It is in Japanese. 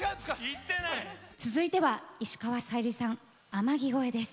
続いては石川さゆりさん「天城越え」です。